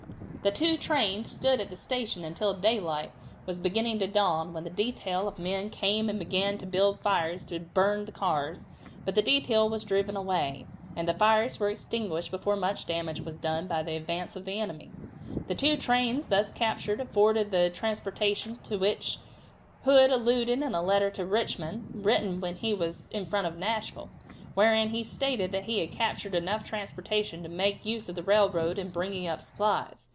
The two trains stood at the station until daylight was beginning to dawn when a detail of men came and began to build fires to burn the cars, but the detail was driven away, and the fires were extinguished before much damage was done, by the advance of the enemy. The two trains thus captured afforded the transportation to which Hood alluded in a letter to Richmond, written when he was in front of Nashville, wherein he stated that he had captured enough transportation to make use of the railroad in bringing up supplies.